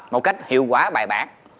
một cách hiệu quả bài bản